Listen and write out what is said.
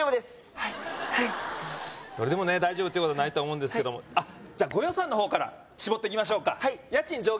はいはいどれでもね大丈夫っていうことはないと思うんですけどもじゃあご予算の方から絞っていきましょうか家賃上限